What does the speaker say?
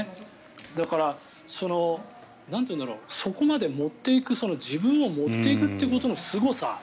だから、そこまで持っていく自分を持っていくことのすごさ。